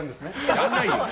やらないよ！